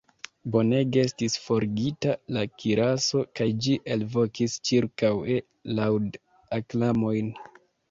Bonege estis forĝita la kiraso kaj ĝi elvokis ĉirkaŭe laŭd-aklamojn.